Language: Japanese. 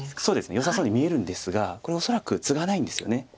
よさそうに見えるんですがこれ恐らくツガないんですよね。